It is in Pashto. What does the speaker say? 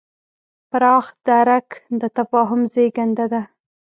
پراخ درک د تفاهم زېږنده دی.